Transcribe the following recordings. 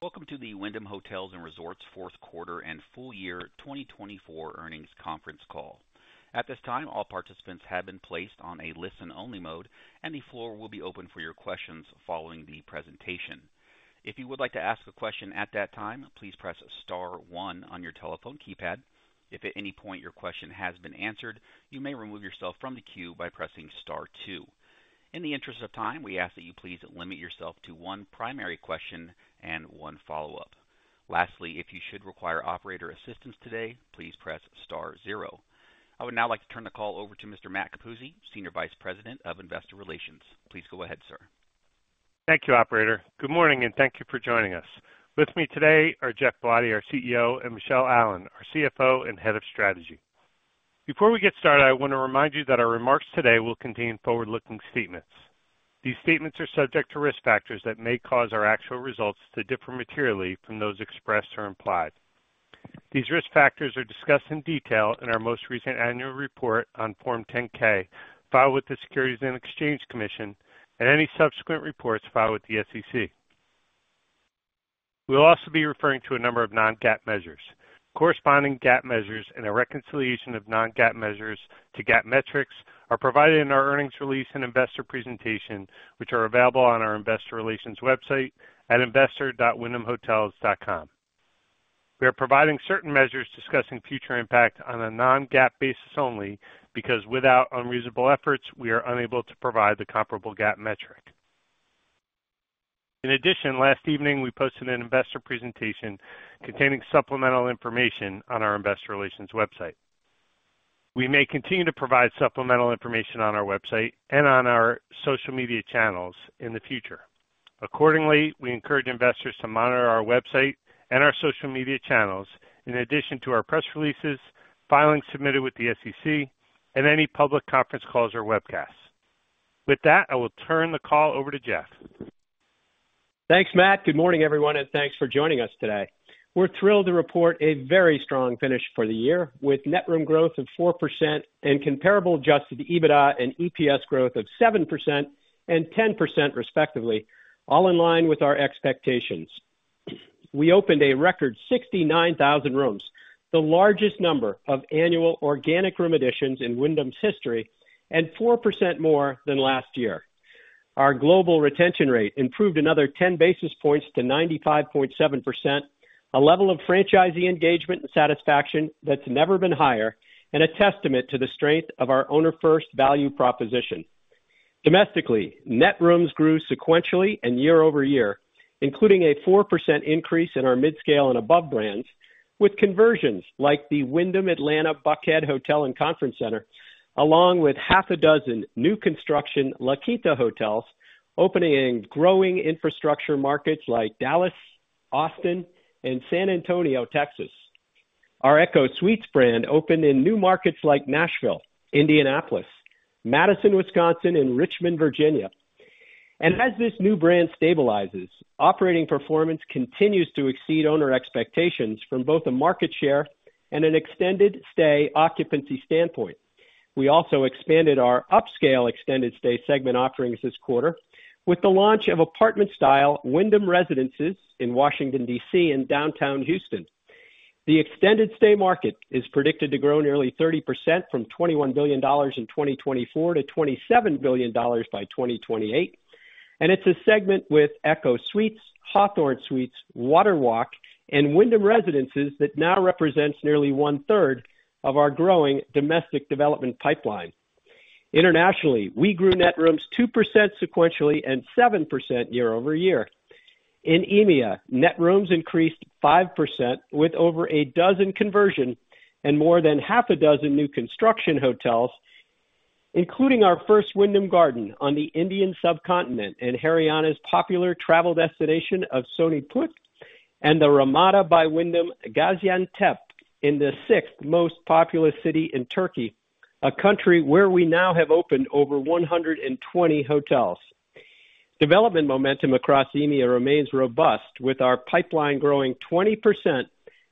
Welcome to the Wyndham Hotels & Resorts Fourth Quarter and Full Year 2024 Earnings Conference Call. At this time, all participants have been placed on a listen-only mode, and the floor will be open for your questions following the presentation. If you would like to ask a question at that time, please press star one on your telephone keypad. If at any point your question has been answered, you may remove yourself from the queue by pressing star two. In the interest of time, we ask that you please limit yourself to one primary question and one follow-up. Lastly, if you should require operator assistance today, please press star zero. I would now like to turn the call over to Mr. Matt Capuzzi, Senior Vice President of Investor Relations. Please go ahead, sir. Thank you, Operator. Good morning, and thank you for joining us. With me today are Geoff Ballotti, our CEO, and Michele Allen, our CFO and Head of Strategy. Before we get started, I want to remind you that our remarks today will contain forward-looking statements. These statements are subject to risk factors that may cause our actual results to differ materially from those expressed or implied. These risk factors are discussed in detail in our most recent annual report on Form 10-K, filed with the Securities and Exchange Commission, and any subsequent reports filed with the SEC. We'll also be referring to a number of non-GAAP measures. Corresponding GAAP measures and a reconciliation of non-GAAP measures to GAAP metrics are provided in our earnings release and investor presentation, which are available on our investor relations website at investor.wyndhamhotels.com. We are providing certain measures discussing future impact on a non-GAAP basis only because, without unreasonable efforts, we are unable to provide the comparable GAAP metric. In addition, last evening we posted an investor presentation containing supplemental information on our investor relations website. We may continue to provide supplemental information on our website and on our social media channels in the future. Accordingly, we encourage investors to monitor our website and our social media channels in addition to our press releases, filings submitted with the SEC, and any public conference calls or webcasts. With that, I will turn the call over to Geoff. Thanks, Matt. Good morning, everyone, and thanks for joining us today. We're thrilled to report a very strong finish for the year with net room growth of 4% and comparable adjusted EBITDA and EPS growth of 7% and 10%, respectively, all in line with our expectations. We opened a record 69,000 rooms, the largest number of annual organic room additions in Wyndham's history and 4% more than last year. Our global retention rate improved another 10 basis points to 95.7%, a level of franchisee engagement and satisfaction that's never been higher and a testament to the strength of our owner-first value proposition. Domestically, net rooms grew sequentially and year-over-year, including a 4% increase in our midscale and above brands, with conversions like the Wyndham Atlanta Buckhead Hotel and Conference Center, along with half a dozen new construction La Quinta Hotels opening in growing infrastructure markets like Dallas, Austin, and San Antonio, Texas. Our ECHO Suites brand opened in new markets like Nashville, Indianapolis, Madison, Wisconsin, and Richmond, Virginia. As this new brand stabilizes, operating performance continues to exceed owner expectations from both a market share and an extended-stay occupancy standpoint. We also expanded our upscale extended-stay segment offerings this quarter with the launch of apartment-style Wyndham Residences in Washington, D.C., and downtown Houston. The extended-stay market is predicted to grow nearly 30% from $21 billion in 2024 to $27 billion by 2028, and it's a segment with ECHO Suites, Hawthorn Suites, WaterWalk, and Wyndham Residences that now represents nearly one-third of our growing domestic development pipeline. Internationally, we grew net rooms 2% sequentially and 7% year-over-year. In EMEA, net rooms increased 5% with over a dozen conversions and more than half a dozen new construction hotels, including our first Wyndham Garden on the Indian subcontinent and Haryana's popular travel destination of Sonipat, and the Ramada by Wyndham Gaziantep in the sixth most populous city in Turkey, a country where we now have opened over 120 hotels. Development momentum across EMEA remains robust, with our pipeline growing 20%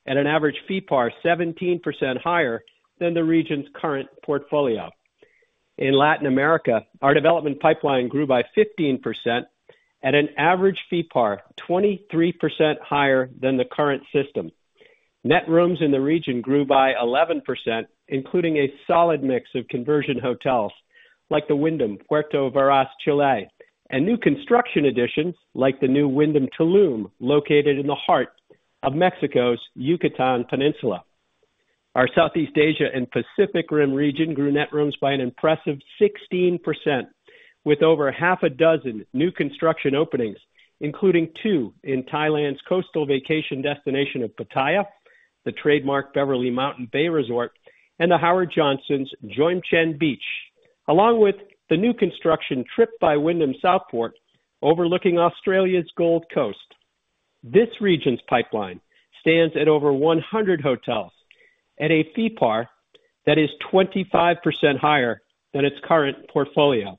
at an average Fee-PAR 17% higher than the region's current portfolio. In Latin America, our development pipeline grew by 15% at an average Fee-PAR 23% higher than the current system. Net rooms in the region grew by 11%, including a solid mix of conversion hotels like the Wyndham Puerto Varas, Chile and new construction additions like the new Wyndham Tulum, located in the heart of Mexico's Yucatán Peninsula. Our Southeast Asia and Pacific Rim region grew net rooms by an impressive 16%, with over half a dozen new construction openings, including two in Thailand's coastal vacation destination of Pattaya, the Trademark Beverly Hotel Pattaya, and the Howard Johnson Jomtien Beach, along with the new construction TRYP by Wyndham Southport overlooking Australia's Gold Coast. This region's pipeline stands at over 100 hotels at a Fee-PAR that is 25% higher than its current portfolio.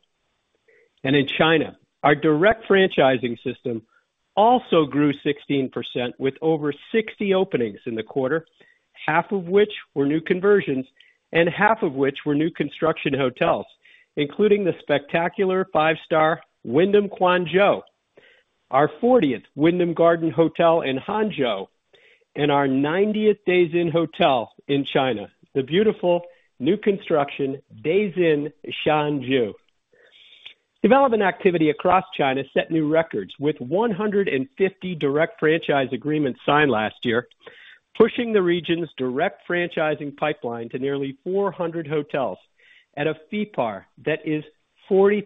In China, our direct franchising system also grew 16% with over 60 openings in the quarter, half of which were new conversions and half of which were new construction hotels, including the spectacular five-star Wyndham Quanzhou, our 40th Wyndham Garden Hotel in Hangzhou, and our 90th Days Inn Hotel in China, the beautiful new construction Days Inn Shengzhou. Development activity across China set new records with 150 direct franchise agreements signed last year, pushing the region's direct franchising pipeline to nearly 400 hotels at a Fee-PAR that is 40%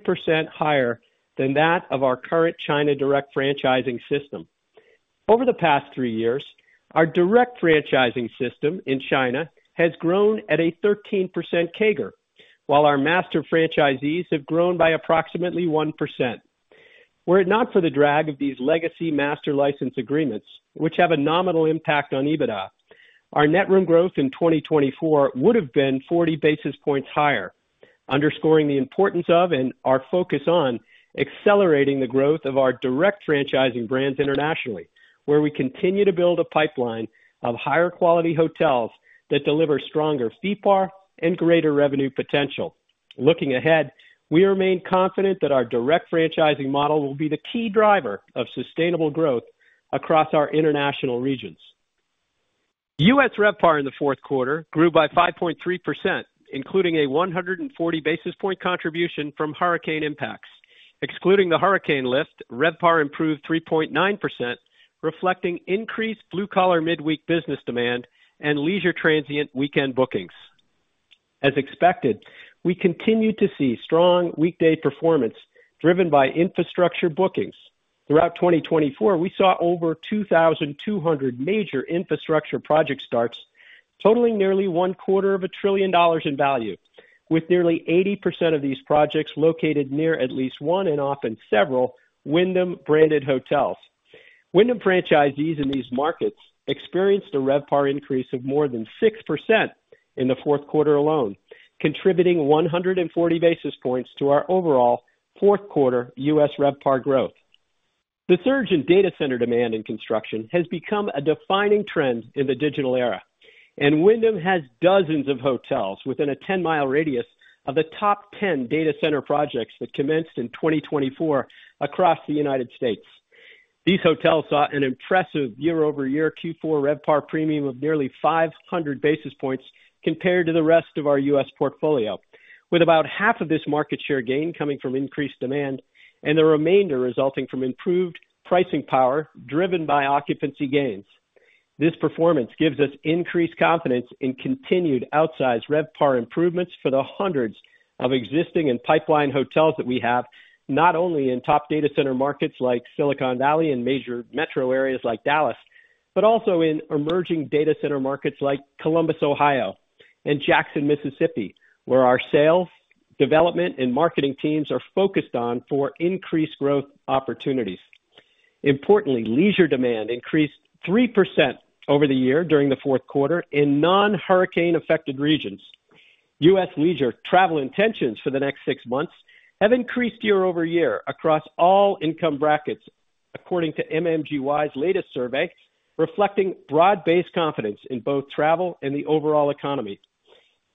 higher than that of our current China direct franchising system. Over the past three years, our direct franchising system in China has grown at a 13% CAGR, while our master franchisees have grown by approximately 1%. Were it not for the drag of these legacy master license agreements, which have a nominal impact on EBITDA, our net room growth in 2024 would have been 40 basis points higher, underscoring the importance of and our focus on accelerating the growth of our direct franchising brands internationally, where we continue to build a pipeline of higher-quality hotels that deliver stronger Fee-PAR and greater revenue potential. Looking ahead, we remain confident that our direct franchising model will be the key driver of sustainable growth across our international regions. U.S. RevPAR in the fourth quarter grew by 5.3%, including a 140 basis point contribution from hurricane impacts. Excluding the hurricane lift, RevPAR improved 3.9%, reflecting increased blue-collar midweek business demand and leisure transient weekend bookings. As expected, we continue to see strong weekday performance driven by infrastructure bookings. Throughout 2024, we saw over 2,200 major infrastructure project starts totaling nearly $250 billion in value, with nearly 80% of these projects located near at least one and often several Wyndham-branded hotels. Wyndham franchisees in these markets experienced a RevPAR increase of more than 6% in the fourth quarter alone, contributing 140 basis points to our overall fourth quarter U.S. RevPAR growth. The surge in data center demand and construction has become a defining trend in the digital era, and Wyndham has dozens of hotels within a 10-mile radius of the top 10 data center projects that commenced in 2024 across the United States. These hotels saw an impressive year-over-year Q4 RevPAR premium of nearly 500 basis points compared to the rest of our U.S. portfolio, with about half of this market share gain coming from increased demand and the remainder resulting from improved pricing power driven by occupancy gains. This performance gives us increased confidence in continued outsized RevPAR improvements for the hundreds of existing and pipeline hotels that we have, not only in top data center markets like Silicon Valley and major metro areas like Dallas, but also in emerging data center markets like Columbus, Ohio, and Jackson, Mississippi, where our sales, development, and marketing teams are focused on for increased growth opportunities. Importantly, leisure demand increased 3% over the year during the fourth quarter in non-hurricane-affected regions. U.S. leisure travel intentions for the next six months have increased year-over-year across all income brackets, according to MMGY's latest survey, reflecting broad-based confidence in both travel and the overall economy,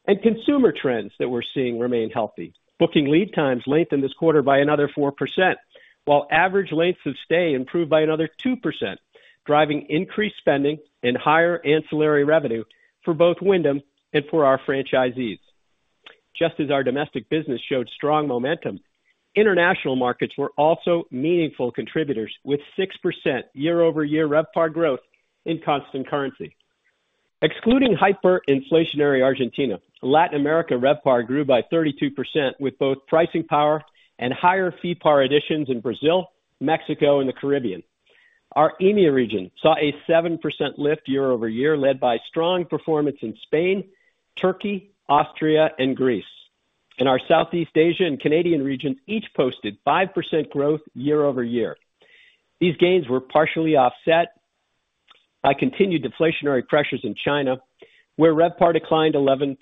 and consumer trends that we're seeing remain healthy. Booking lead times lengthened this quarter by another 4%, while average lengths of stay improved by another 2%, driving increased spending and higher ancillary revenue for both Wyndham and for our franchisees. Just as our domestic business showed strong momentum, international markets were also meaningful contributors with 6% year-over-year RevPAR growth in constant currency. Excluding hyperinflationary Argentina, Latin America RevPAR grew by 32% with both pricing power and higher Fee-PAR additions in Brazil, Mexico, and the Caribbean. Our EMEA region saw a 7% lift year-over-year led by strong performance in Spain, Turkey, Austria, and Greece, and our Southeast Asia and Canadian regions each posted 5% growth year-over-year. These gains were partially offset by continued deflationary pressures in China, where RevPAR declined 11%.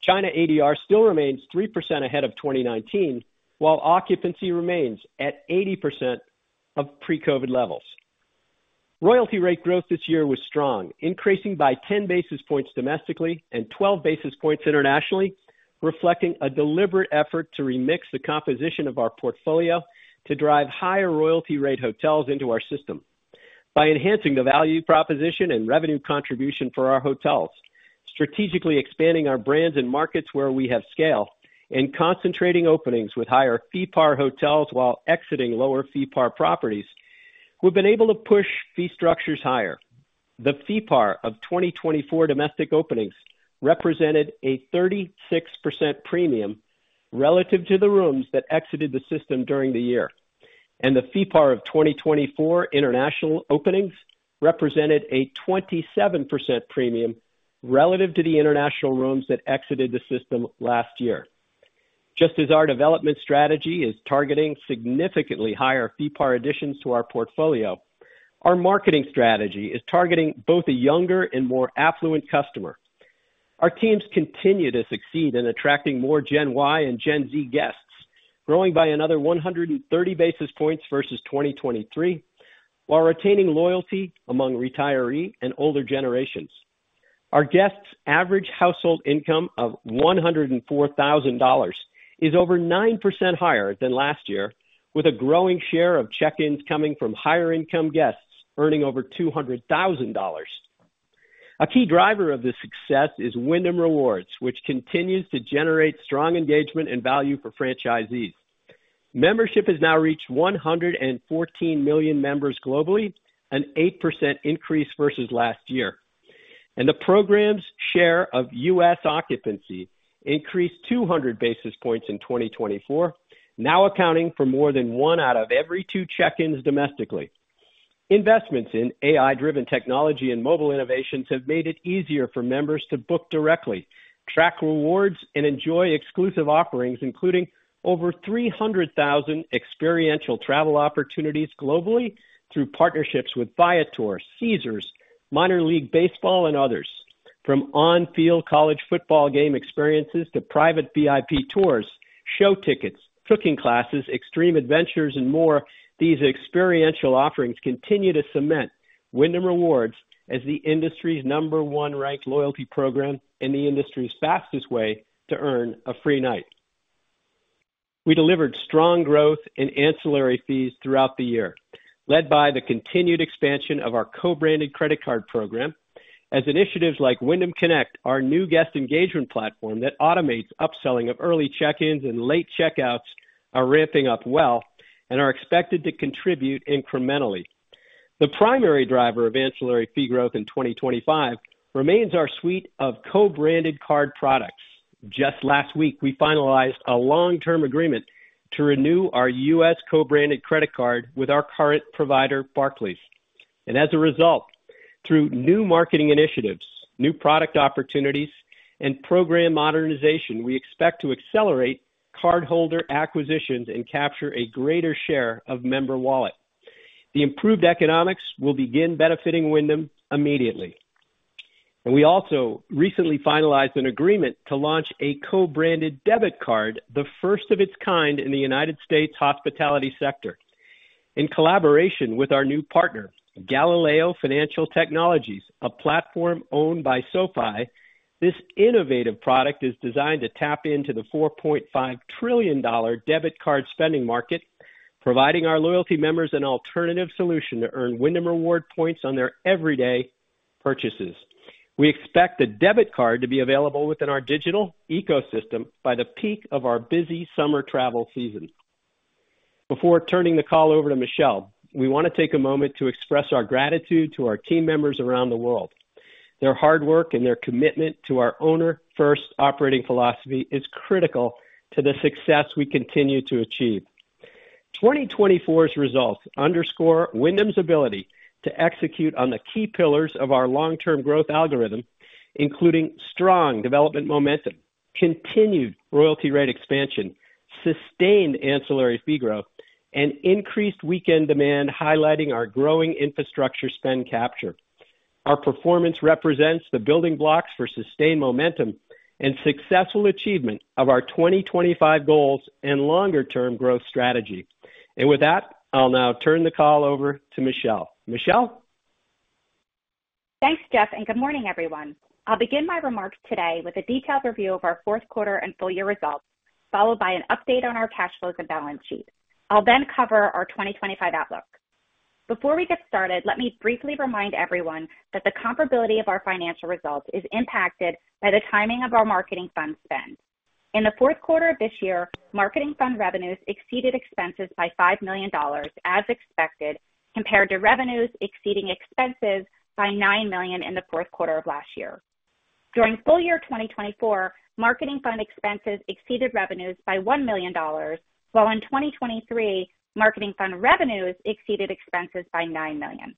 China ADR still remains 3% ahead of 2019, while occupancy remains at 80% of pre-COVID levels. Royalty rate growth this year was strong, increasing by 10 basis points domestically and 12 basis points internationally, reflecting a deliberate effort to remix the composition of our portfolio to drive higher royalty rate hotels into our system by enhancing the value proposition and revenue contribution for our hotels, strategically expanding our brands and markets where we have scale, and concentrating openings with higher Fee-PAR hotels while exiting lower Fee-PAR properties. We've been able to push fee structures higher. The Fee-PAR of 2024 domestic openings represented a 36% premium relative to the rooms that exited the system during the year, and the Fee-PAR of 2024 international openings represented a 27% premium relative to the international rooms that exited the system last year. Just as our development strategy is targeting significantly higher Fee-PAR additions to our portfolio, our marketing strategy is targeting both a younger and more affluent customer. Our teams continue to succeed in attracting more Gen Y and Gen Z guests, growing by another 130 basis points versus 2023, while retaining loyalty among retiree and older generations. Our guests' average household income of $104,000 is over 9% higher than last year, with a growing share of check-ins coming from higher-income guests earning over $200,000. A key driver of this success is Wyndham Rewards, which continues to generate strong engagement and value for franchisees. Membership has now reached 114 million members globally, an 8% increase versus last year, and the program's share of U.S. occupancy increased 200 basis points in 2024, now accounting for more than one out of every two check-ins domestically. Investments in AI-driven technology and mobile innovations have made it easier for members to book directly, track rewards, and enjoy exclusive offerings, including over 300,000 experiential travel opportunities globally through partnerships with Viator, Caesars, Minor League Baseball, and others. From on-field college football game experiences to private VIP tours, show tickets, cooking classes, extreme adventures, and more, these experiential offerings continue to cement Wyndham Rewards as the industry's number one ranked loyalty program and the industry's fastest way to earn a free night. We delivered strong growth in ancillary fees throughout the year, led by the continued expansion of our co-branded credit card program, as initiatives like Wyndham Connect, our new guest engagement platform that automates upselling of early check-ins and late checkouts, are ramping up well and are expected to contribute incrementally. The primary driver of ancillary fee growth in 2025 remains our suite of co-branded card products. Just last week, we finalized a long-term agreement to renew our U.S. co-branded credit card with our current provider, Barclays, and as a result, through new marketing initiatives, new product opportunities, and program modernization, we expect to accelerate cardholder acquisitions and capture a greater share of member wallet. The improved economics will begin benefiting Wyndham immediately, and we also recently finalized an agreement to launch a co-branded debit card, the first of its kind in the United States hospitality sector. In collaboration with our new partner, Galileo Financial Technologies, a platform owned by SoFi, this innovative product is designed to tap into the $4.5 trillion debit card spending market, providing our loyalty members an alternative solution to earn Wyndham Rewards points on their everyday purchases. We expect the debit card to be available within our digital ecosystem by the peak of our busy summer travel season. Before turning the call over to Michele, we want to take a moment to express our gratitude to our team members around the world. Their hard work and their commitment to our owner-first operating philosophy is critical to the success we continue to achieve. 2024's results underscore Wyndham's ability to execute on the key pillars of our long-term growth algorithm, including strong development momentum, continued royalty rate expansion, sustained ancillary fee growth, and increased weekend demand, highlighting our growing infrastructure spend capture. Our performance represents the building blocks for sustained momentum and successful achievement of our 2025 goals and longer-term growth strategy. And with that, I'll now turn the call over to Michele. Michele? Thanks, Geoff, and good morning, everyone. I'll begin my remarks today with a detailed review of our fourth quarter and full year results, followed by an update on our cash flows and balance sheet. I'll then cover our 2025 outlook. Before we get started, let me briefly remind everyone that the comparability of our financial results is impacted by the timing of our marketing fund spend. In the fourth quarter of this year, marketing fund revenues exceeded expenses by $5 million, as expected, compared to revenues exceeding expenses by $9 million in the fourth quarter of last year. During full year 2024, marketing fund expenses exceeded revenues by $1 million, while in 2023, marketing fund revenues exceeded expenses by $9 million.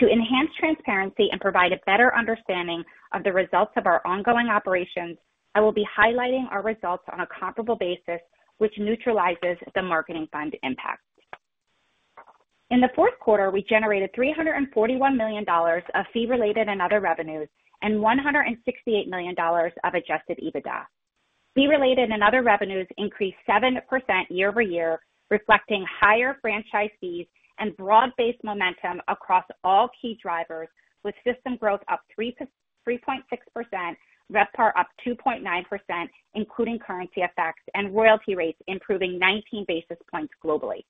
To enhance transparency and provide a better understanding of the results of our ongoing operations, I will be highlighting our results on a comparable basis, which neutralizes the marketing fund impact. In the fourth quarter, we generated $341 million of fee-related and other revenues and $168 million of adjusted EBITDA. Fee-related and other revenues increased 7% year-over-year, reflecting higher franchise fees and broad-based momentum across all key drivers, with system growth up 3.6%, RevPAR up 2.9%, including currency effects, and royalty rates improving 19 basis points globally.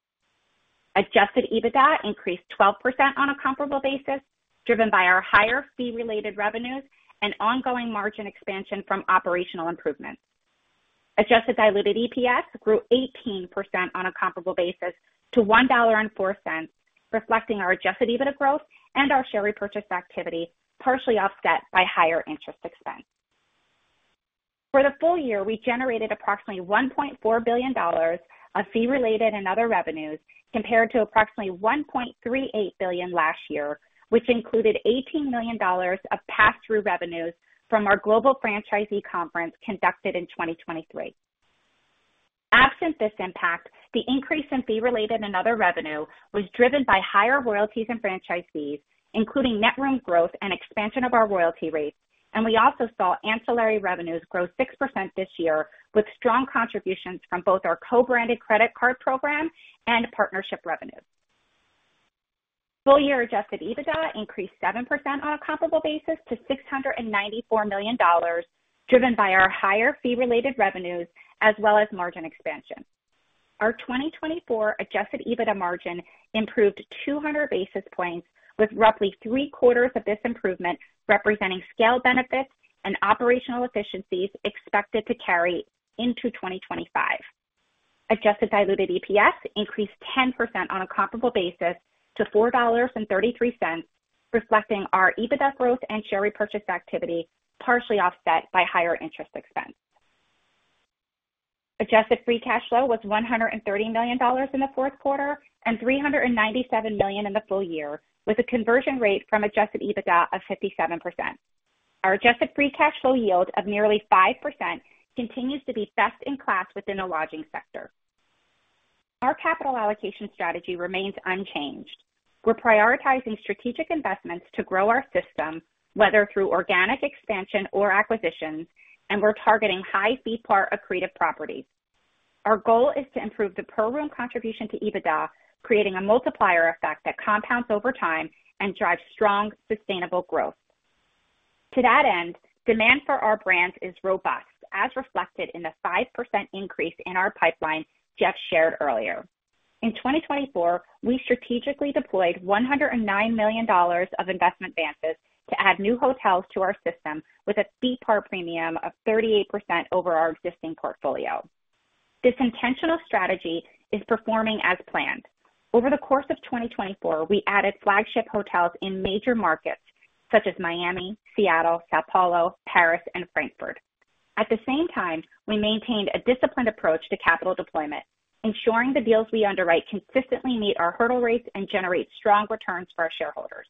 Adjusted EBITDA increased 12% on a comparable basis, driven by our higher fee-related revenues and ongoing margin expansion from operational improvements. Adjusted diluted EPS grew 18% on a comparable basis to $1.04, reflecting our adjusted EBITDA growth and our share repurchase activity, partially offset by higher interest expense. For the full year, we generated approximately $1.4 billion of fee-related and other revenues compared to approximately $1.38 billion last year, which included $18 million of pass-through revenues from our global franchisee conference conducted in 2023. Absent this impact, the increase in fee-related and other revenue was driven by higher royalties and franchise fees, including net room growth and expansion of our royalty rates. And we also saw ancillary revenues grow 6% this year, with strong contributions from both our co-branded credit card program and partnership revenues. Full year adjusted EBITDA increased 7% on a comparable basis to $694 million, driven by our higher fee-related revenues as well as margin expansion. Our 2024 adjusted EBITDA margin improved 200 basis points, with roughly three-quarters of this improvement representing scale benefits and operational efficiencies expected to carry into 2025. Adjusted diluted EPS increased 10% on a comparable basis to $4.33, reflecting our EBITDA growth and share repurchase activity, partially offset by higher interest expense. Adjusted free cash flow was $130 million in the fourth quarter and $397 million in the full year, with a conversion rate from adjusted EBITDA of 57%. Our adjusted free cash flow yield of nearly 5% continues to be best in class within the lodging sector. Our capital allocation strategy remains unchanged. We're prioritizing strategic investments to grow our system, whether through organic expansion or acquisitions, and we're targeting high Fee-PAR accretive properties. Our goal is to improve the per room contribution to EBITDA, creating a multiplier effect that compounds over time and drives strong, sustainable growth. To that end, demand for our brands is robust, as reflected in the 5% increase in our pipeline Geoff shared earlier. In 2024, we strategically deployed $109 million of investment advances to add new hotels to our system with a Fee-PAR premium of 38% over our existing portfolio. This intentional strategy is performing as planned. Over the course of 2024, we added flagship hotels in major markets such as Miami, Seattle, São Paulo, Paris, and Frankfurt. At the same time, we maintained a disciplined approach to capital deployment, ensuring the deals we underwrite consistently meet our hurdle rates and generate strong returns for our shareholders.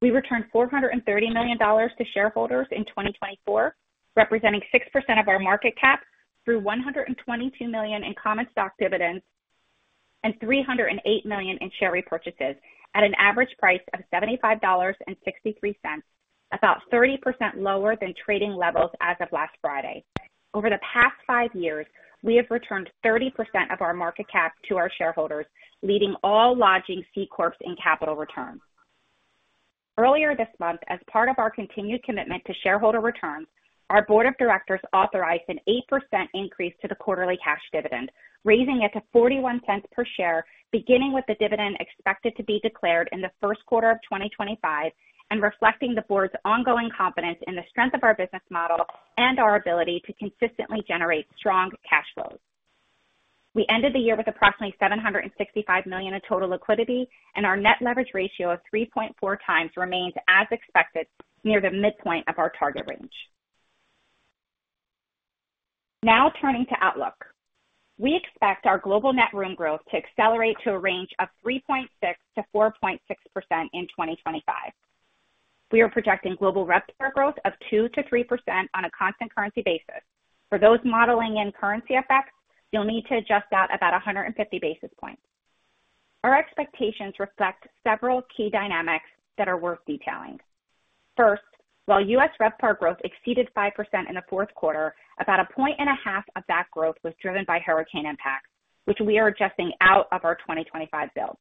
We returned $430 million to shareholders in 2024, representing 6% of our market cap, through $122 million in common stock dividends and $308 million in share repurchases, at an average price of $75.63, about 30% lower than trading levels as of last Friday. Over the past five years, we have returned 30% of our market cap to our shareholders, leading all lodging C Corps in capital returns. Earlier this month, as part of our continued commitment to shareholder returns, our board of directors authorized an 8% increase to the quarterly cash dividend, raising it to $0.41 per share, beginning with the dividend expected to be declared in the first quarter of 2025, and reflecting the board's ongoing confidence in the strength of our business model and our ability to consistently generate strong cash flows. We ended the year with approximately $765 million in total liquidity, and our net leverage ratio of 3.4x remains as expected, near the midpoint of our target range. Now turning to Outlook, we expect our global net room growth to accelerate to a range of 3.6%-4.6% in 2025. We are projecting global revenue growth of 2%-3% on a constant currency basis. For those modeling in currency effects, you'll need to adjust out about 150 basis points. Our expectations reflect several key dynamics that are worth detailing. First, while U.S. RevPAR growth exceeded 5% in the fourth quarter, about a point and a half of that growth was driven by hurricane impacts, which we are adjusting out of our 2025 build.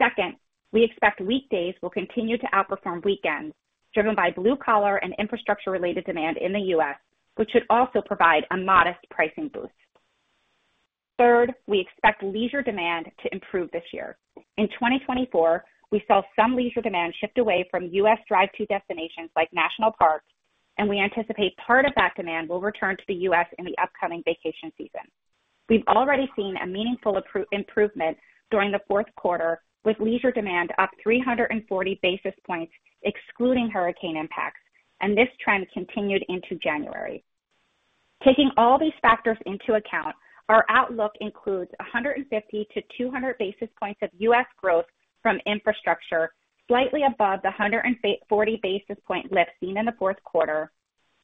Second, we expect weekdays will continue to outperform weekends, driven by blue-collar and infrastructure-related demand in the U.S., which should also provide a modest pricing boost. Third, we expect leisure demand to improve this year. In 2024, we saw some leisure demand shift away from U.S. drive-to destinations like national parks, and we anticipate part of that demand will return to the U.S. in the upcoming vacation season. We've already seen a meaningful improvement during the fourth quarter, with leisure demand up 340 basis points excluding hurricane impacts, and this trend continued into January. Taking all these factors into account, our outlook includes 150-200 basis points of U.S. growth from infrastructure, slightly above the 140 basis point lift seen in the fourth quarter,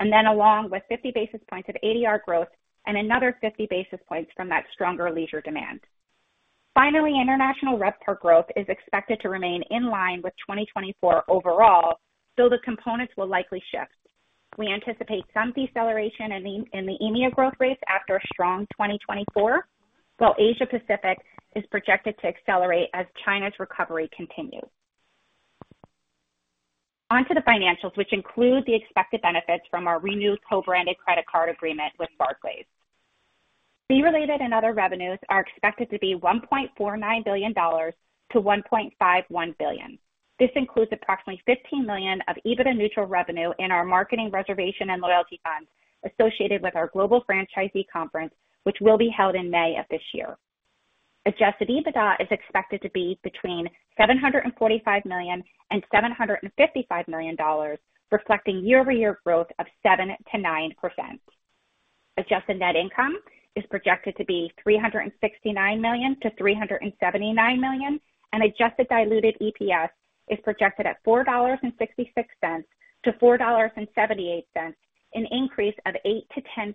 and then along with 50 basis points of ADR growth and another 50 basis points from that stronger leisure demand. Finally, international RevPAR growth is expected to remain in line with 2024 overall, though the components will likely shift. We anticipate some deceleration in the EMEA growth rates after a strong 2024, while Asia-Pacific is projected to accelerate as China's recovery continues. Onto the financials, which include the expected benefits from our renewed co-branded credit card agreement with Barclays. Fee-related and other revenues are expected to be $1.49 billion-$1.51 billion. This includes approximately $15 million of EBITDA neutral revenue in our marketing reservation and loyalty funds associated with our global franchisee conference, which will be held in May of this year. Adjusted EBITDA is expected to be between $745 million and $755 million, reflecting year-over-year growth of 7%-9%. Adjusted net income is projected to be $369 million-$379 million, and adjusted diluted EPS is projected at $4.66-$4.78, an increase of 8%-10%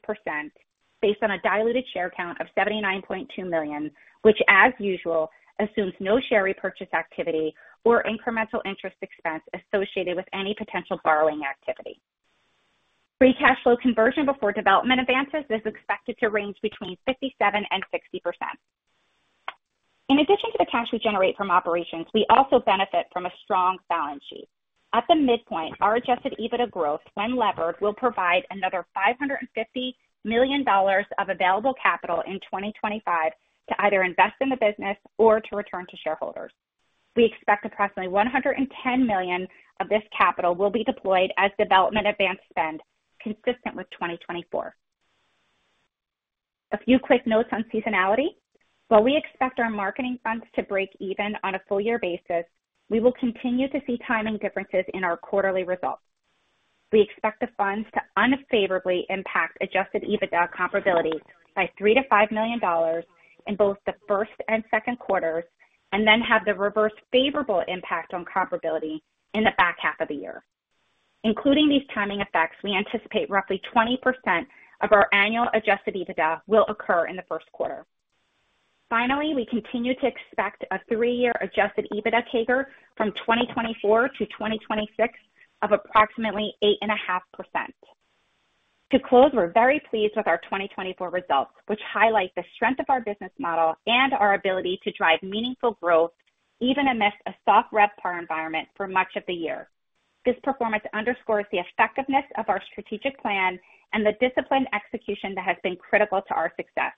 based on a diluted share count of 79.2 million, which, as usual, assumes no share repurchase activity or incremental interest expense associated with any potential borrowing activity. Free cash flow conversion before development advances is expected to range between 57% and 60%. In addition to the cash we generate from operations, we also benefit from a strong balance sheet. At the midpoint, our adjusted EBITDA growth, when levered, will provide another $550 million of available capital in 2025 to either invest in the business or to return to shareholders. We expect approximately $110 million of this capital will be deployed as development advance spend consistent with 2024. A few quick notes on seasonality. While we expect our marketing funds to break even on a full year basis, we will continue to see timing differences in our quarterly results. We expect the funds to unfavorably impact adjusted EBITDA comparability by $3 million-$5 million in both the first and second quarters, and then have the reverse favorable impact on comparability in the back half of the year. Including these timing effects, we anticipate roughly 20% of our annual adjusted EBITDA will occur in the first quarter. Finally, we continue to expect a three-year adjusted EBITDA CAGR from 2024 to 2026 of approximately 8.5%. To close, we're very pleased with our 2024 results, which highlight the strength of our business model and our ability to drive meaningful growth even amidst a soft RevPAR environment for much of the year. This performance underscores the effectiveness of our strategic plan and the disciplined execution that has been critical to our success.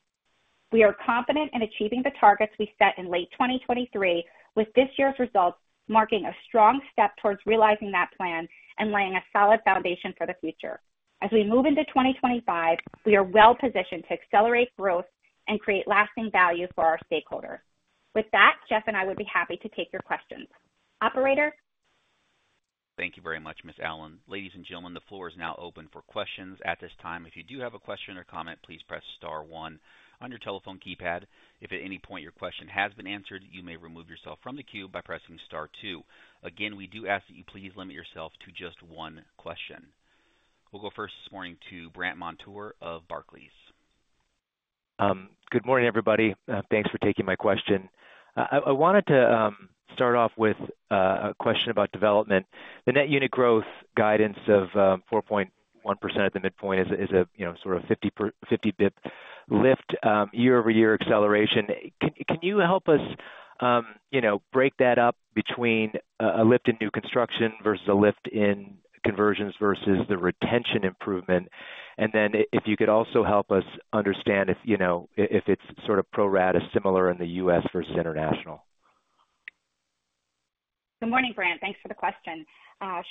We are confident in achieving the targets we set in late 2023, with this year's results marking a strong step towards realizing that plan and laying a solid foundation for the future. As we move into 2025, we are well-positioned to accelerate growth and create lasting value for our stakeholders. With that, Geoff and I would be happy to take your questions. Operator? Thank you very much, Ms. Allen. Ladies and gentlemen, the floor is now open for questions. At this time, if you do have a question or comment, please press star one on your telephone keypad. If at any point your question has been answered, you may remove yourself from the queue by pressing star two. Again, we do ask that you please limit yourself to just one question. We'll go first this morning to Brandt Montour of Barclays. Good morning, everybody. Thanks for taking my question. I wanted to start off with a question about development. The net unit growth guidance of 4.1% at the midpoint is a sort of 50 basis points lift, year-over-year acceleration. Can you help us break that up between a lift in new construction versus a lift in conversions versus the retention improvement? And then if you could also help us understand if it's sort of pro rata similar in the U.S.? versus international. Good morning, Brandt. Thanks for the question.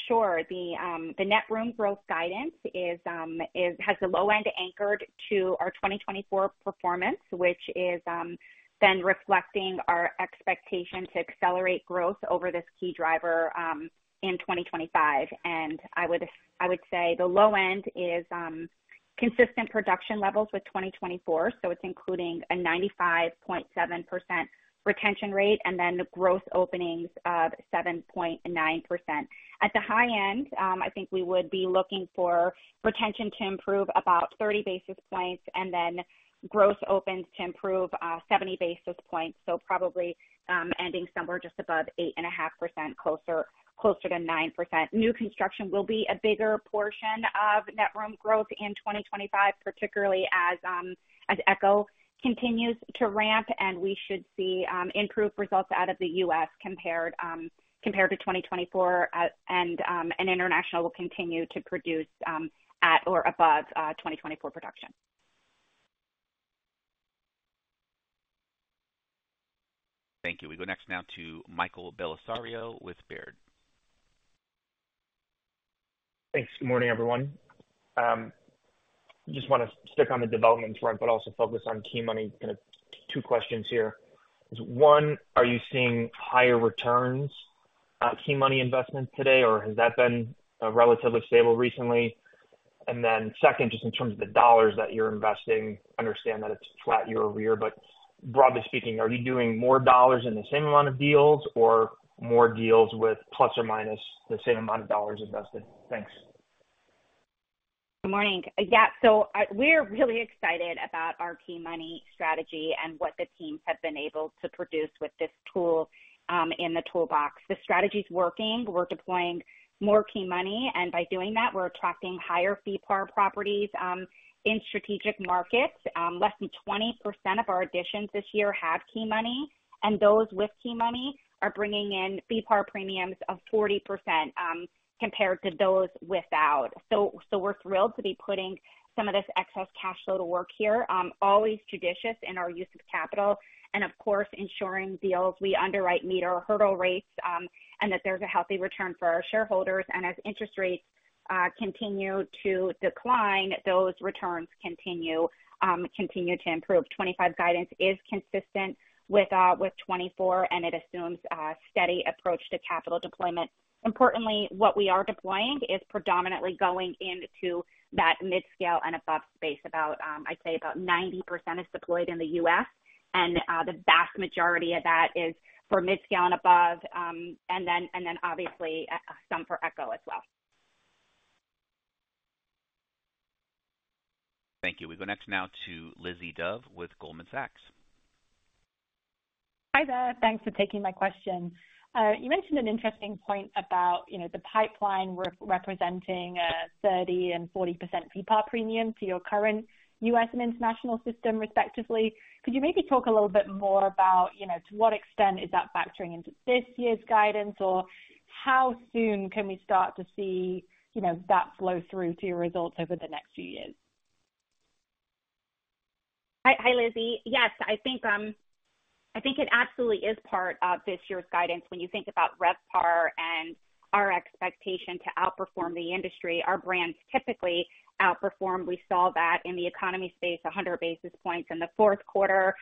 Sure. The net room growth guidance has the low end anchored to our 2024 performance, which is then reflecting our expectation to accelerate growth over this key driver in 2025, and I would say the low end is consistent production levels with 2024, so it's including a 95.7% retention rate and then growth openings of 7.9%. At the high end, I think we would be looking for retention to improve about 30 basis points and then growth opens to improve 70 basis points, so probably ending somewhere just above 8.5%, closer to 9%. New construction will be a bigger portion of net room growth in 2025, particularly as ECHO continues to ramp, and we should see improved results out of the U.S. compared to 2024, and international will continue to produce at or above 2024 production. Thank you. We go next now to Michael Bellisario with Baird. Thanks. Good morning, everyone. Just want to stick on the development front, but also focus on key money. Two questions here. One, are you seeing higher returns on key money investments today, or has that been relatively stable recently? And then second, just in terms of the dollars that you're investing, understand that it's flat year-over-year, but broadly speaking, are you doing more dollars in the same amount of deals or more deals with plus or minus the same amount of dollars invested? Thanks. Good morning. Yeah, so we're really excited about our key money strategy and what the teams have been able to produce with this tool in the toolbox. The strategy is working. We're deploying more key money, and by doing that, we're attracting higher Fee-PAR properties in strategic markets. Less than 20% of our additions this year have key money, and those with key money are bringing in Fee-PAR premiums of 40% compared to those without. So we're thrilled to be putting some of this excess cash flow to work here, always judicious in our use of capital, and of course, ensuring deals we underwrite meet our hurdle rates and that there's a healthy return for our shareholders. And as interest rates continue to decline, those returns continue to improve. 2025 guidance is consistent with 2024, and it assumes a steady approach to capital deployment. Importantly, what we are deploying is predominantly going into that midscale and above space. I'd say about 90% is deployed in the U.S., and the vast majority of that is for midscale and above, and then obviously some for ECHO as well. Thank you. We go next now to Lizzie Dove with Goldman Sachs. Hi there. Thanks for taking my question. You mentioned an interesting point about the pipeline representing a 30% and 40% Fee-PAR premium to your current U.S. and international system, respectively. Could you maybe talk a little bit more about to what extent is that factoring into this year's guidance, or how soon can we start to see that flow through to your results over the next few years? Hi, Lizzie. Yes, I think it absolutely is part of this year's guidance. When you think about RevPAR and our expectation to outperform the industry, our brands typically outperform. We saw that in the economy space, 100 basis points. In the fourth quarter,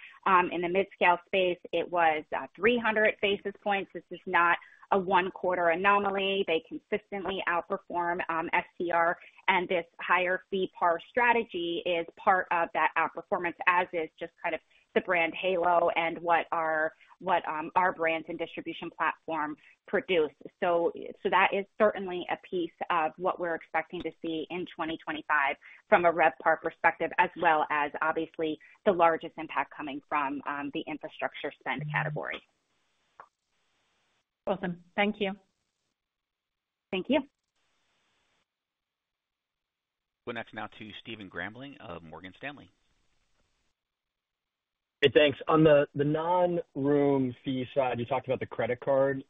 in the midscale space, it was 300 basis points. This is not a one-quarter anomaly. They consistently outperform STR, and this higher Fee-PAR strategy is part of that outperformance, as is just kind of the brand halo and what our brands and distribution platform produce. So that is certainly a piece of what we're expecting to see in 2025 from a RevPAR perspective, as well as obviously the largest impact coming from the infrastructure spend category. Awesome. Thank you. Thank you. Going next now to Stephen Grambling of Morgan Stanley. Hey, thanks. On the non-room fee side, you talked about the credit card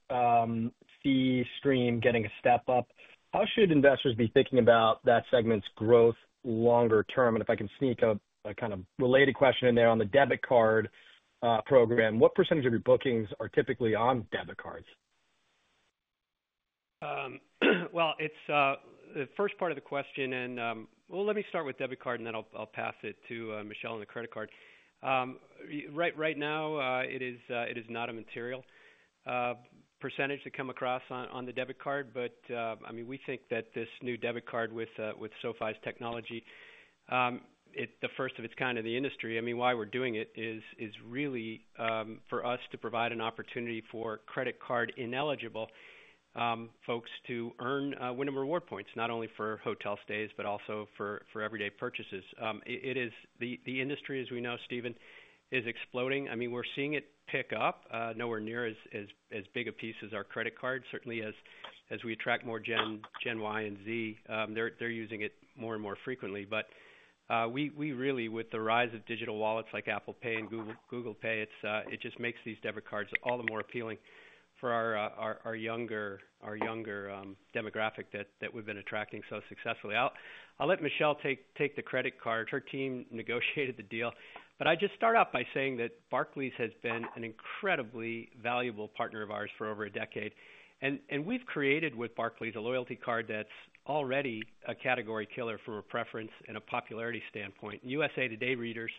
fee stream getting a step up. How should investors be thinking about that segment's growth longer term? And if I can sneak a kind of related question in there on the debit card program, what percentage of your bookings are typically on debit cards? It's the first part of the question, and well, let me start with debit card, and then I'll pass it to Michele on the credit card. Right now, it is not a material percentage to come across on the debit card, but I mean, we think that this new debit card with SoFi's technology, the first of its kind in the industry. I mean, why we're doing it is really for us to provide an opportunity for credit card ineligible folks to earn Wyndham Rewards points, not only for hotel stays, but also for everyday purchases. The industry, as we know, Stephen, is exploding. I mean, we're seeing it pick up nowhere near as big a piece as our credit card. Certainly, as we attract more Gen Y and Z, they're using it more and more frequently. But we really, with the rise of digital wallets like Apple Pay and Google Pay, it just makes these debit cards all the more appealing for our younger demographic that we've been attracting so successfully. I'll let Michele take the credit card. Her team negotiated the deal. But I just start off by saying that Barclays has been an incredibly valuable partner of ours for over a decade. And we've created with Barclays a loyalty card that's already a category killer from a preference and a popularity standpoint. USA Today readers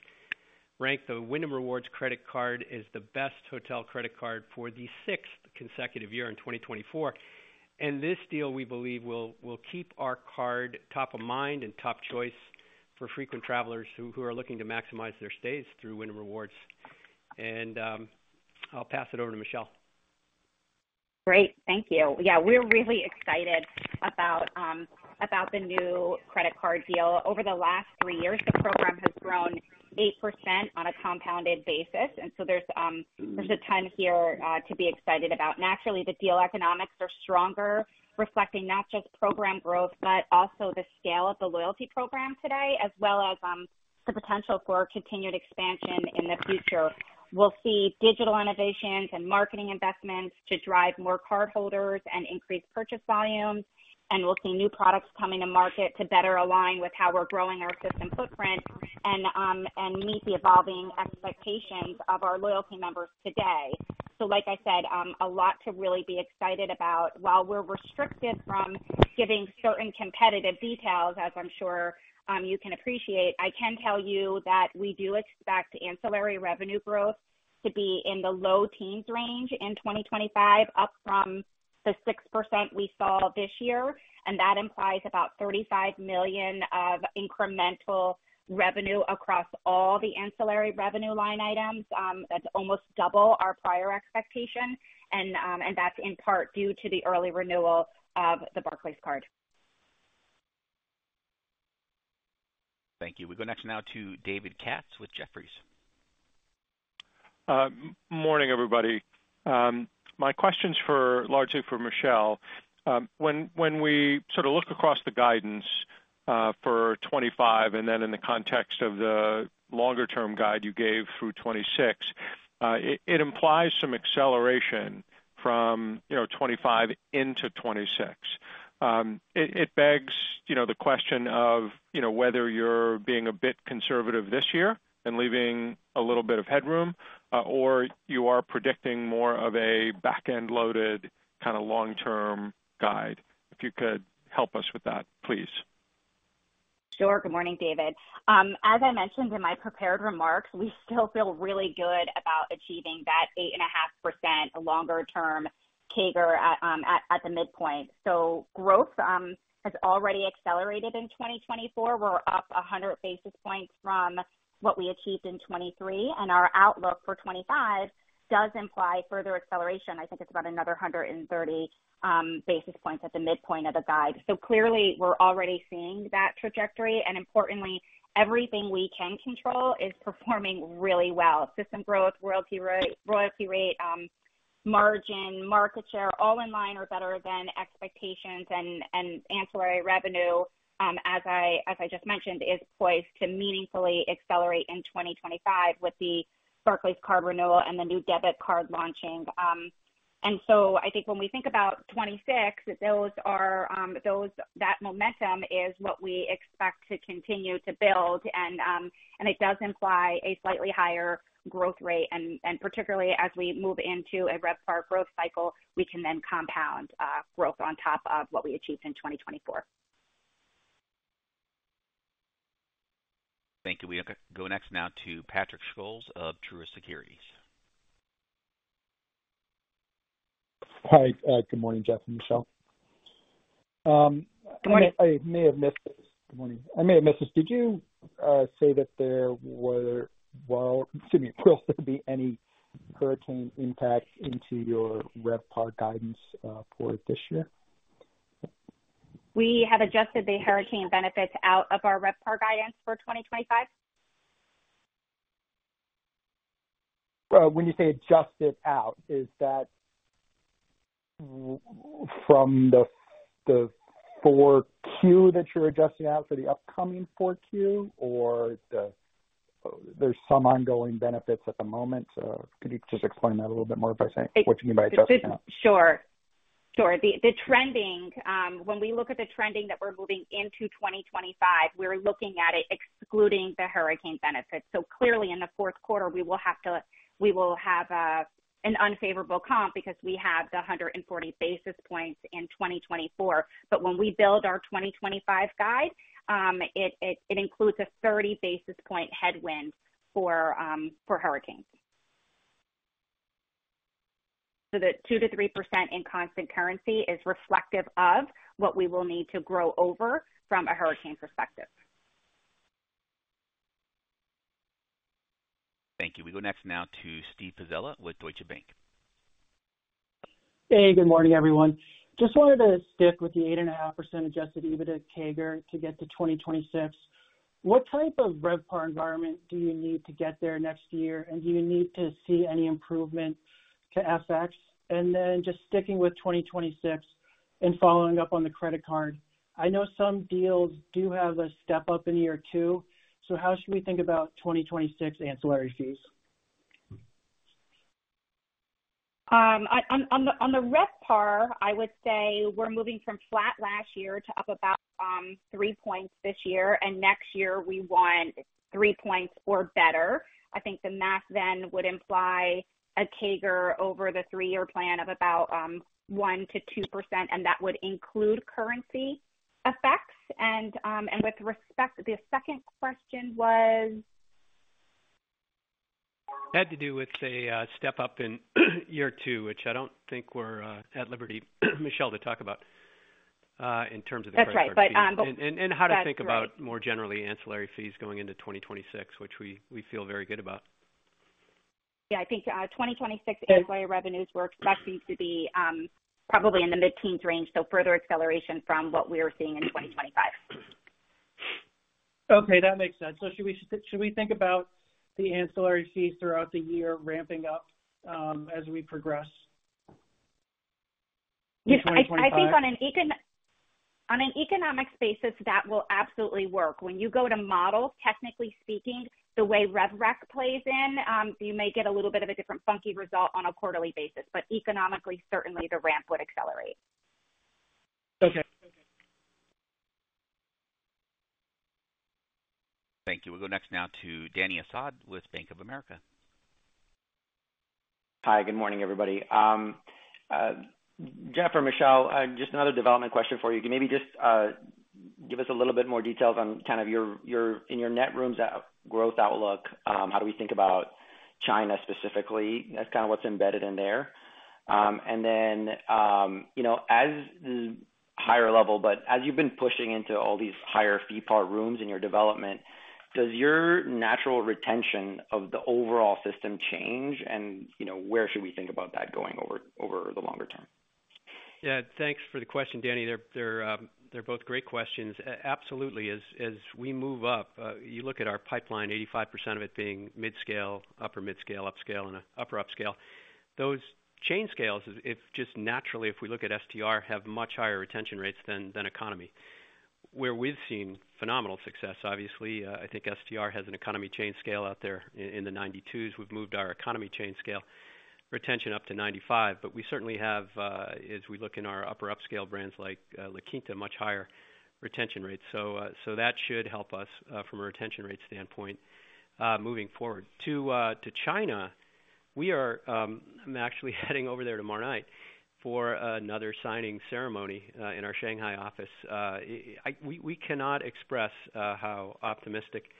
rank the Wyndham Rewards credit card as the best hotel credit card for the sixth consecutive year in 2024. And this deal, we believe, will keep our card top of mind and top Choice for frequent travelers who are looking to maximize their stays through Wyndham Rewards. And I'll pass it over to Michele. Great. Thank you. Yeah, we're really excited about the new credit card deal. Over the last three years, the program has grown 8% on a compounded basis. And so there's a ton here to be excited about. Naturally, the deal economics are stronger, reflecting not just program growth, but also the scale of the loyalty program today, as well as the potential for continued expansion in the future. We'll see digital innovations and marketing investments to drive more cardholders and increase purchase volumes. And we'll see new products coming to market to better align with how we're growing our system footprint and meet the evolving expectations of our loyalty members today. So like I said, a lot to really be excited about. While we're restricted from giving certain competitive details, as I'm sure you can appreciate, I can tell you that we do expect ancillary revenue growth to be in the low teens range in 2025, up from the 6% we saw this year. And that implies about $35 million of incremental revenue across all the ancillary revenue line items. That's almost double our prior expectation. And that's in part due to the early renewal of the Barclays card. Thank you. We go next now to David Katz with Jefferies. Morning, everybody. My question's largely for Michele. When we sort of look across the guidance for 2025, and then in the context of the longer-term guide you gave through 2026, it implies some acceleration from 2025 into 2026. It begs the question of whether you're being a bit conservative this year and leaving a little bit of headroom, or you are predicting more of a back-end loaded kind of long-term guide. If you could help us with that, please. Sure. Good morning, David. As I mentioned in my prepared remarks, we still feel really good about achieving that 8.5% longer-term CAGR at the midpoint. So growth has already accelerated in 2024. We're up 100 basis points from what we achieved in 2023. And our outlook for 2025 does imply further acceleration. I think it's about another 130 basis points at the midpoint of the guide. So clearly, we're already seeing that trajectory. And importantly, everything we can control is performing really well. System growth, royalty rate, margin, market share, all in line or better than expectations. Ancillary revenue, as I just mentioned, is poised to meaningfully accelerate in 2025 with the Barclays card renewal and the new debit card launching. So I think when we think about 2026, that momentum is what we expect to continue to build. And it does imply a slightly higher growth rate. And particularly, as we move into a RevPAR growth cycle, we can then compound growth on top of what we achieved in 2024. Thank you. We go next now to Patrick Scholes of Truist Securities. Hi. Good morning, Geoff and Michele. Good morning. I may have missed this. Did you say that there were, well, excuse me, will there be any hurricane impact into your RevPAR guidance for this year? We have adjusted the hurricane benefits out of our RevPAR guidance for 2025. When you say adjust it out, is that from the 4Q that you're adjusting out for the upcoming 4Q, or there's some ongoing benefits at the moment? Could you just explain that a little bit more by saying what you mean by adjusting out? Sure. Sure. When we look at the trending that we're moving into 2025, we're looking at it excluding the hurricane benefits. So clearly, in the fourth quarter, we will have an unfavorable comp because we have the 140 basis points in 2024. But when we build our 2025 guide, it includes a 30 basis point headwind for hurricanes. So the 2% to 3% in constant currency is reflective of what we will need to grow over from a hurricane perspective. Thank you. We go next now to Steve Pizzella with Deutsche Bank. Hey, good morning, everyone. Just wanted to stick with the 8.5% adjusted EBITDA CAGR to get to 2026. What type of RevPAR environment do you need to get there next year? And do you need to see any improvement to FX? And then just sticking with 2026 and following up on the credit card, I know some deals do have a step up in year two. So how should we think about 2026 ancillary fees? On the RevPAR, I would say we're moving from flat last year to up about 3 points this year. And next year, we want 3 points or better. I think the math then would imply a CAGR over the three-year plan of about 1%-2%, and that would include currency effects. And with respect, the second question was? That had to do with a step up in year two, which I don't think we're at liberty, Michele, to talk about in terms of the credit card. That's right, and how to think about more generally ancillary fees going into 2026, which we feel very good about. Yeah, I think 2026 ancillary revenues we're expecting to be probably in the mid-teens range, so further acceleration from what we were seeing in 2025. Okay, that makes sense, so should we think about the ancillary fees throughout the year ramping up as we progress in 2025? I think on an economic basis, that will absolutely work. When you go to models, technically speaking, the way RevRec plays in, you may get a little bit of a different funky result on a quarterly basis, but economically, certainly the ramp would accelerate. Okay. Thank you. We go next now to Dany Asad with Bank of America. Hi, good morning, everybody. Geoff or Michele, just another development question for you. Can you maybe just give us a little bit more details on kind of in your net room growth outlook, how do we think about China specifically? That's kind of what's embedded in there. And then at the higher level, but as you've been pushing into all these higher fee-PAR rooms in your development, does your natural retention of the overall system change? And where should we think about that going over the longer term? Yeah, thanks for the question, Dany. They're both great questions. Absolutely. As we move up, you look at our pipeline, 85% of it being midscale, upper midscale, upscale, and upper upscale. Those chain scales, if just naturally, if we look at STR, have much higher retention rates than economy. Where we've seen phenomenal success, obviously, I think STR has an economy chain scale out there in the 92%. We've moved our economy chain scale retention up to 95%. But we certainly have, as we look in our upper upscale brands like La Quinta, much higher retention rates. So that should help us from a retention rate standpoint moving forward. To China, we are actually heading over there tomorrow night for another signing ceremony in our Shanghai office. We cannot express how optimistic things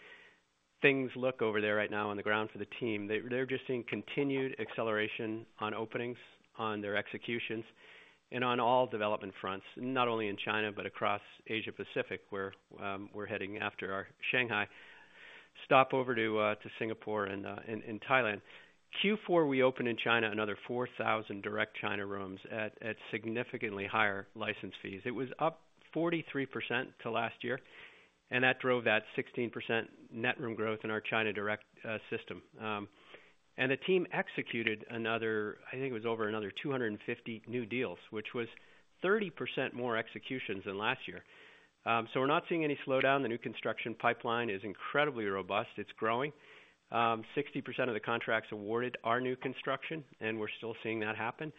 look over there right now on the ground for the team. They're just seeing continued acceleration on openings, on their executions, and on all development fronts, not only in China, but across Asia-Pacific, where we're heading after our Shanghai stopover to Singapore and Thailand. Q4, we opened in China another 4,000 direct China rooms at significantly higher license fees. It was up 43% to last year, and that drove that 16% net room growth in our China direct system. The team executed another, I think it was over another 250 new deals, which was 30% more executions than last year. We're not seeing any slowdown. The new construction pipeline is incredibly robust. It's growing. 60% of the contracts awarded are new construction, and we're still seeing that happen.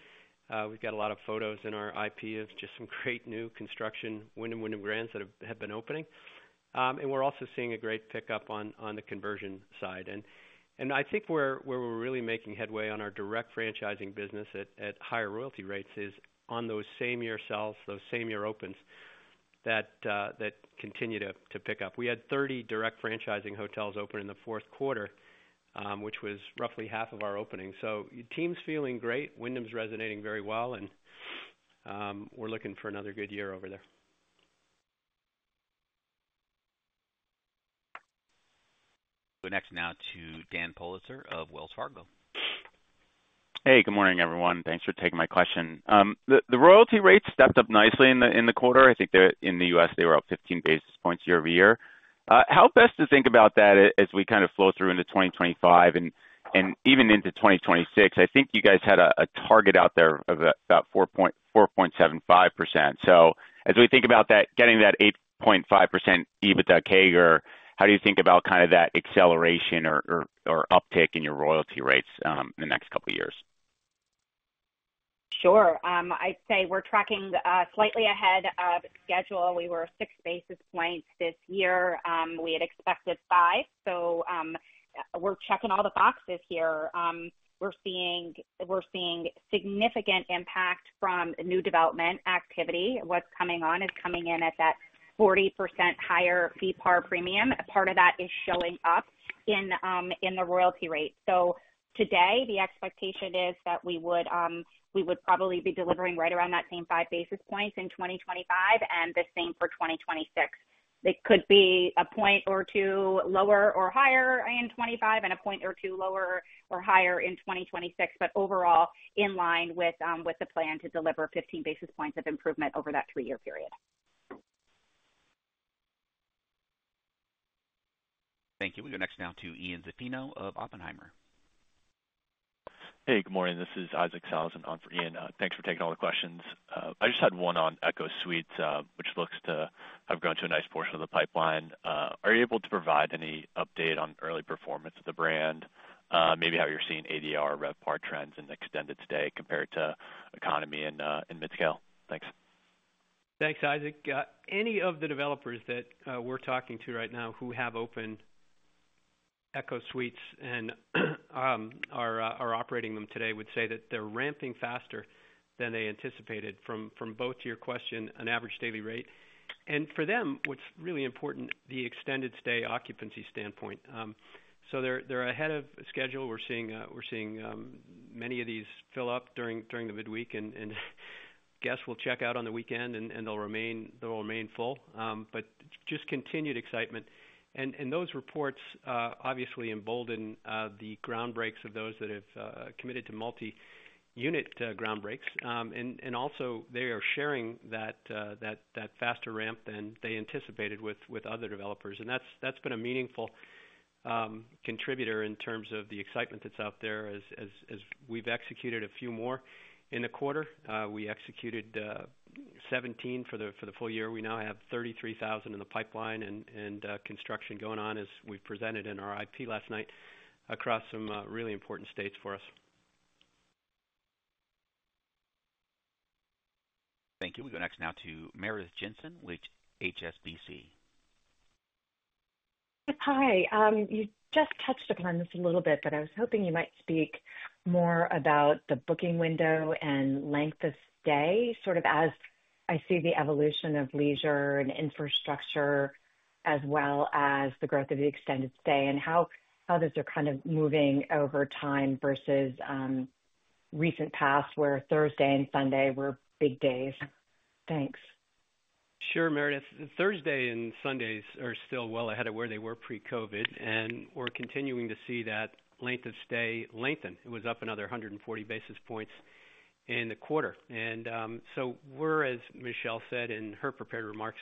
We've got a lot of photos in our IP of just some great new construction Wyndham Garden that have been opening. We're also seeing a great pickup on the conversion side. I think where we're really making headway on our direct franchising business at higher royalty rates is on those same year sales, those same year opens that continue to pick up. We had 30 direct franchising hotels open in the fourth quarter, which was roughly half of our opening, so the team's feeling great. Wyndham's resonating very well. And we're looking for another good year over there. Go next now to Daniel Politzer of Wells Fargo. Hey, good morning, everyone. Thanks for taking my question. The royalty rates stepped up nicely in the quarter. I think in the U.S., they were up 15 basis points year-over-year. How best to think about that as we kind of flow through into 2025 and even into 2026? I think you guys had a target out there of about 4.75%. So as we think about that, getting that 8.5% EBITDA CAGR, how do you think about kind of that acceleration or uptick in your royalty rates in the next couple of years? Sure. I'd say we're tracking slightly ahead of schedule. We were six basis points this year. We had expected five. So we're checking all the boxes here. We're seeing significant impact from new development activity. What's coming on is coming in at that 40% higher Fee-PAR premium. Part of that is showing up in the royalty rate. So today, the expectation is that we would probably be delivering right around that same five basis points in 2025 and the same for 2026. It could be a point or two lower or higher in 2025 and a point or two lower or higher in 2026, but overall, in line with the plan to deliver 15 basis points of improvement over that three-year period. Thank you. We go next now to Ian Zaffino of Oppenheimer. Hey, good morning. This is Isaac Sellhausen on for Ian. Thanks for taking all the questions. I just had one on ECHO Suites, which looks to have grown to a nice portion of the pipeline. Are you able to provide any update on early performance of the brand, maybe how you're seeing ADR, RevPAR trends, and extended stay compared to economy and midscale? Thanks. Thanks, Isaac. Any of the developers that we're talking to right now who have open ECHO Suites and are operating them today would say that they're ramping faster than they anticipated from both your question, an average daily rate. And for them, what's really important, the extended stay occupancy standpoint. So they're ahead of schedule. We're seeing many of these fill up during the midweek. And guests will check out on the weekend, and they'll remain full. But just continued excitement. And those reports obviously embolden the groundbreaks of those that have committed to multi-unit groundbreaks. They are also sharing that faster ramp than they anticipated with other developers. And that's been a meaningful contributor in terms of the excitement that's out there as we've executed a few more in the quarter. We executed 17 for the full year. We now have 33,000 in the pipeline and construction going on, as we've presented in our IR last night across some really important states for us. Thank you. We go next now to Meredith Jensen, HSBC. Hi. You just touched upon this a little bit, but I was hoping you might speak more about the booking window and length of stay, sort of as I see the evolution of leisure and infrastructure as well as the growth of the extended stay and how those are kind of moving over time versus recent past where Thursday and Sunday were big days. Thanks. Sure, Meredith. Thursday and Sundays are still well ahead of where they were pre-COVID, and we're continuing to see that length of stay lengthen. It was up another 140 basis points in the quarter, and so we're, as Michele said in her prepared remarks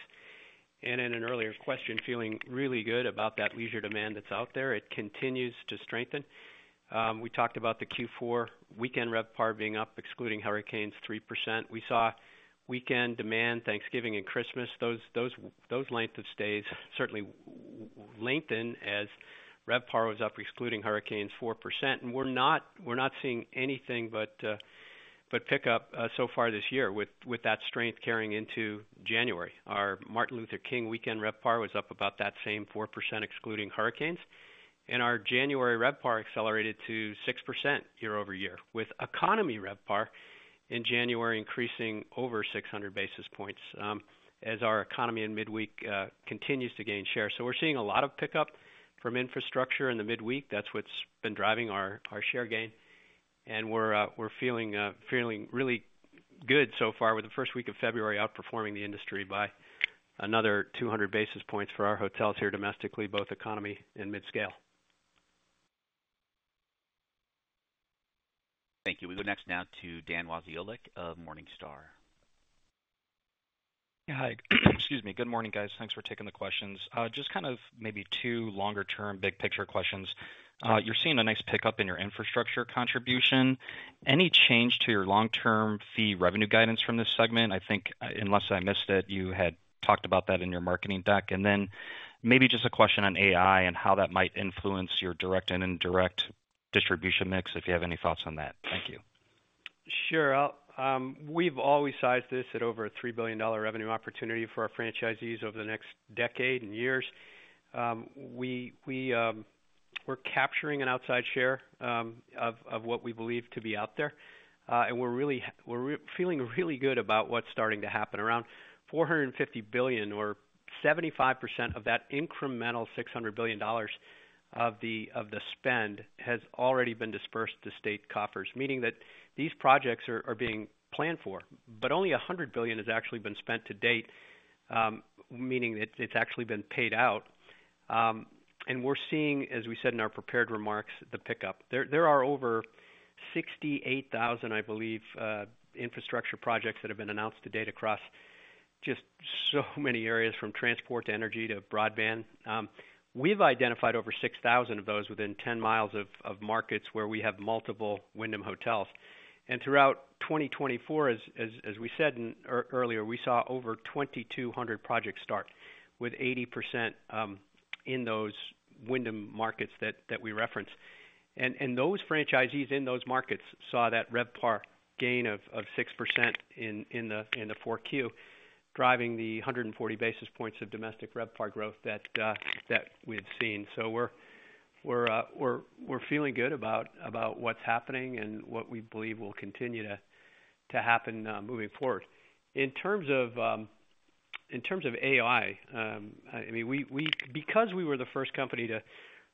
and in an earlier question, feeling really good about that leisure demand that's out there. It continues to strengthen. We talked about the Q4 weekend RevPAR being up, excluding hurricanes, 3%. We saw weekend demand, Thanksgiving, and Christmas. Those length of stays certainly lengthened as RevPAR was up, excluding hurricanes, 4%. And we're not seeing anything but pickup so far this year with that strength carrying into January. Our Martin Luther King weekend RevPAR was up about that same 4%, excluding hurricanes. And our January RevPAR accelerated to 6% year-over-year, with economy RevPAR in January increasing over 600 basis points as our economy in midweek continues to gain share. So we're seeing a lot of pickup from infrastructure in the midweek. That's what's been driving our share gain. And we're feeling really good so far, with the first week of February outperforming the industry by another 200 basis points for our hotels here domestically, both economy and midscale. Thank you. We go next now to Dan Wasiolek of Morningstar. Hi. Excuse me. Good morning, guys. Thanks for taking the questions. Just kind of maybe two longer-term big picture questions. You're seeing a nice pickup in your infrastructure contribution. Any change to your long-term fee revenue guidance from this segment? I think, unless I missed it, you had talked about that in your marketing deck. And then maybe just a question on AI and how that might influence your direct and indirect distribution mix, if you have any thoughts on that. Thank you. Sure. We've always sized this at over a $3 billion revenue opportunity for our franchisees over the next decade and years. We're capturing an outside share of what we believe to be out there. And we're feeling really good about what's starting to happen. Around $450 billion, or 75% of that incremental $600 billion of the spend has already been dispersed to state coffers, meaning that these projects are being planned for. But only $100 billion has actually been spent to date, meaning that it's actually been paid out. And we're seeing, as we said in our prepared remarks, the pickup. There are over 68,000, I believe, infrastructure projects that have been announced to date across just so many areas, from transport to energy to broadband. We've identified over 6,000 of those within 10 miles of markets where we have multiple Wyndham hotels. And throughout 2024, as we said earlier, we saw over 2,200 projects start, with 80% in those Wyndham markets that we referenced. And those franchisees in those markets saw that RevPAR gain of 6% in the 4Q, driving the 140 basis points of domestic RevPAR growth that we've seen. So we're feeling good about what's happening and what we believe will continue to happen moving forward. In terms of AI, I mean, because we were the first company to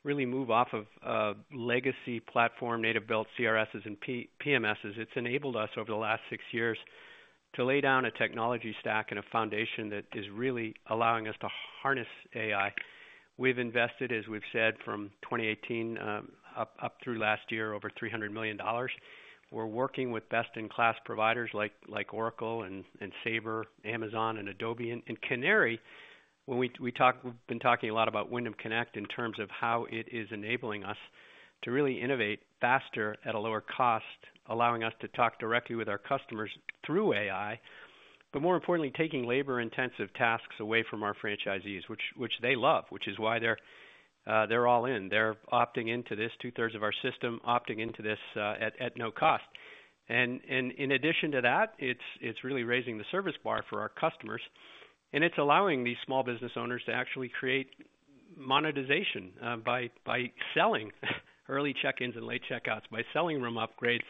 really move off of legacy platform, native-built CRSs and PMSs, it's enabled us over the last six years to lay down a technology stack and a foundation that is really allowing us to harness AI. We've invested, as we've said, from 2018 up through last year, over $300 million. We're working with best-in-class providers like Oracle and Sabre, Amazon, and Adobe. And Canary, we've been talking a lot about Wyndham Connect in terms of how it is enabling us to really innovate faster at a lower cost, allowing us to talk directly with our customers through AI, but more importantly, taking labor-intensive tasks away from our franchisees, which they love, which is why they're all in. They're opting into this, two-thirds of our system opting into this at no cost. In addition to that, it's really raising the service bar for our customers. And it's allowing these small business owners to actually create monetization by selling early check-ins and late checkouts, by selling room upgrades,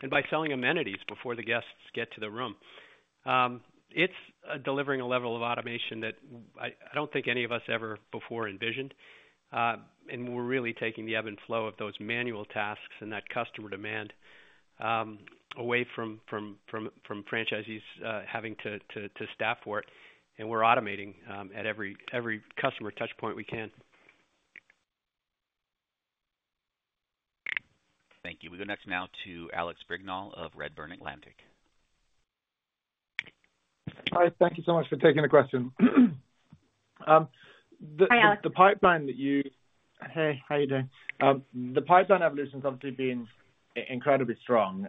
and by selling amenities before the guests get to the room. It's delivering a level of automation that I don't think any of us ever before envisioned. And we're really taking the ebb and flow of those manual tasks and that customer demand away from franchisees having to staff for it. And we're automating at every customer touchpoint we can. Thank you. We go next now to Alex Brignall of Redburn Atlantic. Hi. Thank you so much for taking the question. Hi, Alex. The pipeline that you. Hey, how are you doing? The pipeline evolution has obviously been incredibly strong,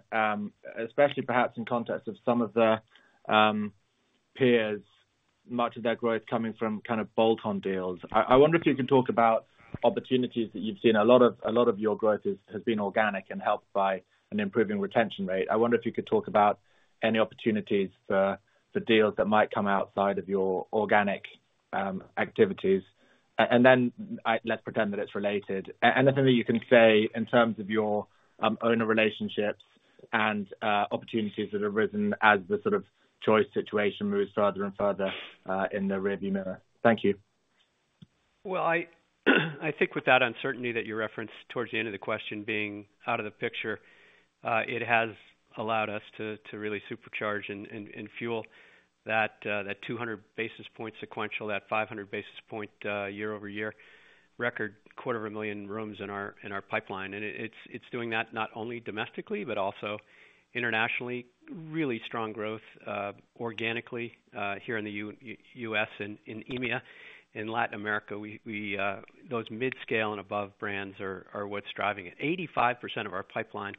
especially perhaps in context of some of the peers, much of their growth coming from kind of bolt-on deals. I wonder if you could talk about opportunities that you've seen? A lot of your growth has been organic and helped by an improving retention rate. I wonder if you could talk about any opportunities for deals that might come outside of your organic activities? And then let's pretend that it's related. Anything that you can say in terms of your owner relationships and opportunities that have risen as the sort of Choice situation moves further and further in the rearview mirror? Thank you. I think with that uncertainty that you referenced towards the end of the question being out of the picture, it has allowed us to really supercharge and fuel that 200 basis point sequential, that 500 basis point year-over-year record, 250,000 rooms in our pipeline. And it's doing that not only domestically, but also internationally. Really strong growth organically here in the U.S. and EMEA. In Latin America, those midscale and above brands are what's driving it. 85% of our pipeline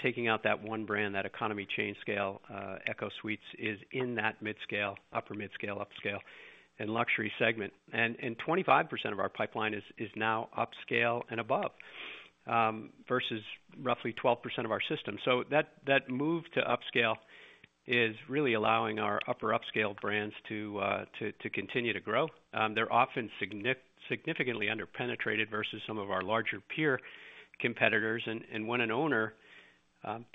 taking out that one brand, that economy chain scale, ECHO Suites is in that midscale, upper midscale, upscale, and luxury segment. And 25% of our pipeline is now upscale and above versus roughly 12% of our system. So that move to upscale is really allowing our upper upscale brands to continue to grow. They're often significantly underpenetrated versus some of our larger peer competitors. When an owner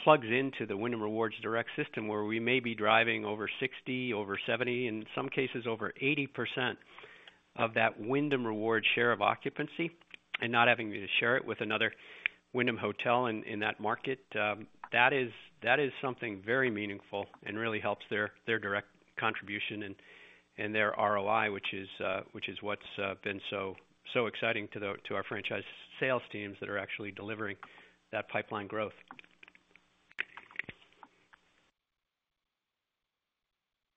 plugs into the Wyndham Rewards direct system, where we may be driving over 60%, over 70%, in some cases over 80% of that Wyndham Rewards share of occupancy and not having to share it with another Wyndham hotel in that market, that is something very meaningful and really helps their direct contribution and their ROI, which is what's been so exciting to our franchise sales teams that are actually delivering that pipeline growth.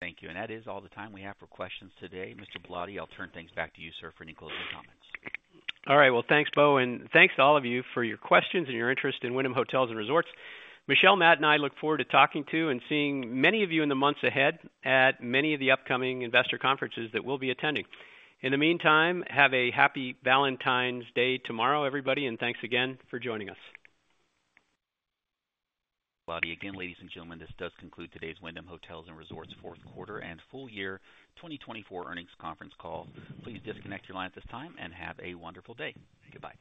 Thank you. That is all the time we have for questions today. Mr. Ballotti, I'll turn things back to you, sir, for any closing comments. All right. Thanks, Bo. And thanks to all of you for your questions and your interest in Wyndham Hotels & Resorts. Michele, Matt, and I look forward to talking to and seeing many of you in the months ahead at many of the upcoming investor conferences that we'll be attending. In the meantime, have a happy Valentine's Day tomorrow, everybody. Thanks again for joining us. Ballotti again. Ladies and gentlemen, this does conclude today's Wyndham Hotels & Resorts Fourth Quarter and Full Year 2024 Earnings Conference Call. Please disconnect your line at this time and have a wonderful day. Goodbye.